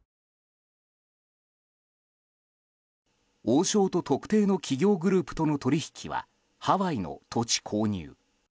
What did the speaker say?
王将と特定の企業グループとの取引は、ハワイの土地購入。